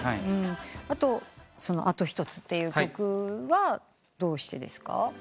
あと『あとひとつ』という曲はどうしてですか？